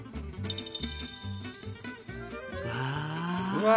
うわ。